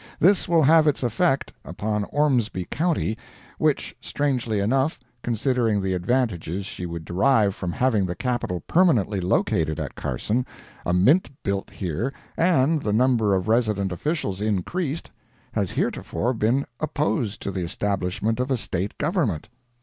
This will have its effect upon Ormsby county, which, strangely enough, considering the advantages she would derive from having the Capital permanently located at Carson, a mint built here, and the number of resident officials increased, has heretofore been opposed to the establishment of a State Government.